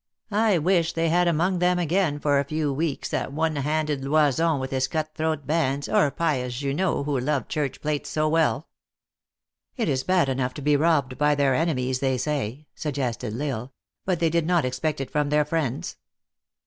I wish they had among them again, for a few weeks, that one handed Loison with his cut throat bands, or pious Junot, who loved church plate so well." " It is bad enough to be robbed by their enemies, they say," suggested L Isle, " but they did not expect it from their friends."